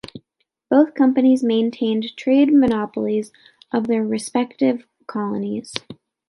Both companies maintained trade monopolies of their respective colonies.